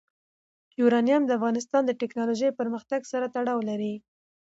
یورانیم د افغانستان د تکنالوژۍ پرمختګ سره تړاو لري.